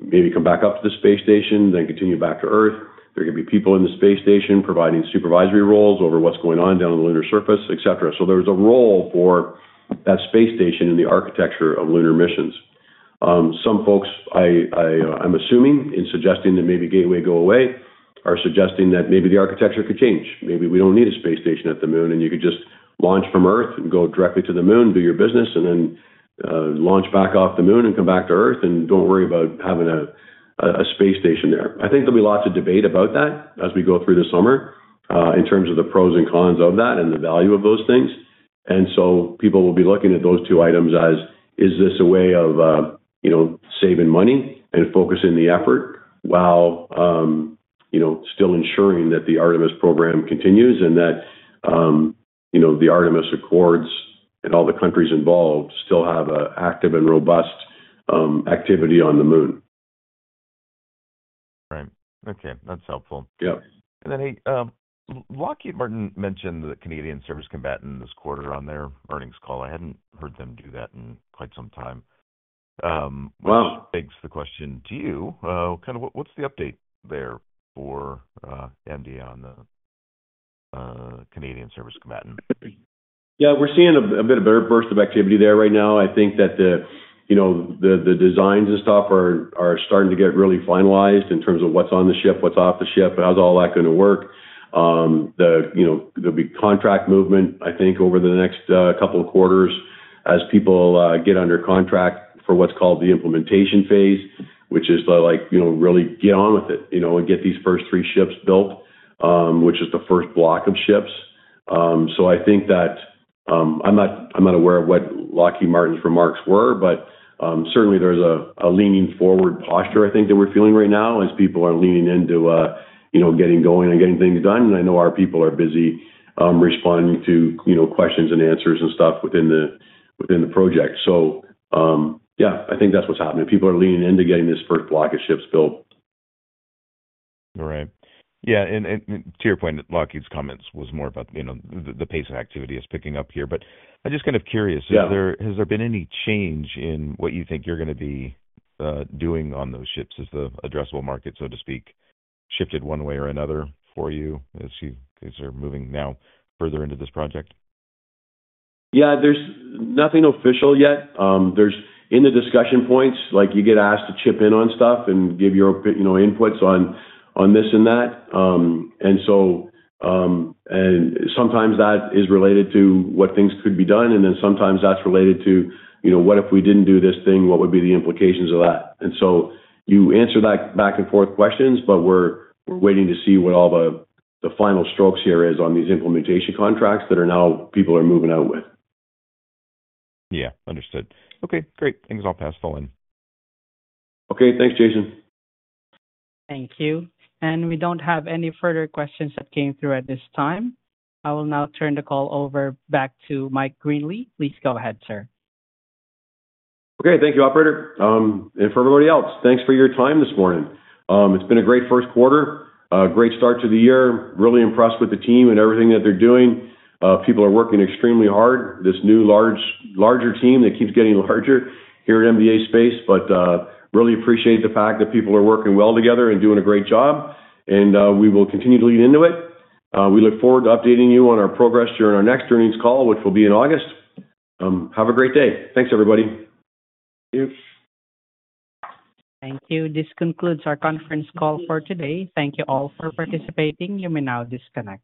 maybe come back up to the space station, then continue back to Earth. There could be people in the space station providing supervisory roles over what's going on down on the lunar surface, etc. There's a role for that space station in the architecture of lunar missions. Some folks, I'm assuming in suggesting that maybe Gateway go away, are suggesting that maybe the architecture could change. Maybe we don't need a space station at the Moon and you could just launch from Earth and go directly to the Moon, do your business, and then launch back off the Moon and come back to Earth and don't worry about having a space station there. I think there'll be lots of debate about that as we go through the summer in terms of the pros and cons of that and the value of those things. People will be looking at those two items as, is this a way of, you know, saving money and focusing the effort while, you know, still ensuring that the Artemis program continues and that, you know, the Artemis Accords and all the countries involved still have an active and robust activity on the Moon. Right. Okay. That's helpful. Yeah. Hey, Lockheed Martin mentioned the Canadian Surface Combatant this quarter on their earnings call. I hadn't heard them do that in quite some time. Wow. That begs the question to you. Kind of what's the update there for MDA on the Canadian Surface Combatant? Yeah, we're seeing a bit of a burst of activity there right now. I think that the, you know, the designs and stuff are starting to get really finalized in terms of what's on the ship, what's off the ship, how's all that going to work. There'll be contract movement, I think, over the next couple of quarters as people get under contract for what's called the implementation phase, which is to like, you know, really get on with it, you know, and get these first three ships built, which is the first block of ships. I think that I'm not aware of what Lockheed Martin's remarks were, but certainly there's a leaning forward posture, I think, that we're feeling right now as people are leaning into, you know, getting going and getting things done. I know our people are busy responding to, you know, questions and answers and stuff within the project. Yeah, I think that's what's happening. People are leaning into getting this first block of ships built. All right. Yeah. To your point, Lockheed's comments was more about, you know, the pace of activity is picking up here. I'm just kind of curious, has there been any change in what you think you're going to be doing on those ships? Has the addressable market, so to speak, shifted one way or another for you as you guys are moving now further into this project? Yeah, there's nothing official yet. In the discussion points, like you get asked to chip in on stuff and give your, you know, inputs on this and that. Sometimes that is related to what things could be done. Then sometimes that's related to, you know, what if we didn't do this thing, what would be the implications of that? You answer that back and forth questions, but we're waiting to see what all the final strokes here are on these implementation contracts that now people are moving out with. Yeah. Understood. Okay. Great. Things all passed all in. Okay. Thanks, Jason. Thank you. We don't have any further questions that came through at this time. I will now turn the call over back to Mike Greenley. Please go ahead, sir. Okay. Thank you, Operator. For everybody else, thanks for your time this morning. It's been a great first quarter, a great start to the year. Really impressed with the team and everything that they're doing. People are working extremely hard. This new larger team that keeps getting larger here at MDA Space, but really appreciate the fact that people are working well together and doing a great job. We will continue to lean into it. We look forward to updating you on our progress during our next earnings call, which will be in August. Have a great day. Thanks, everybody. Thank you. Thank you. This concludes our conference call for today. Thank you all for participating. You may now disconnect.